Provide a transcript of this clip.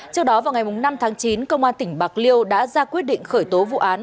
trước đó vào ngày năm tháng chín công an tỉnh bạc liêu đã ra quyết định khởi tố vụ án